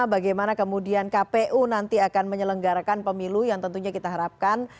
bagaimana kemudian kpu nanti akan menyelenggarakan pemilu yang tentunya kita harapkan